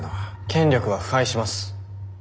権力は腐敗します。